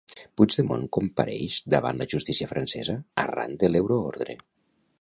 Puigdemont compareix davant la justícia francesa arran de l'euroordre.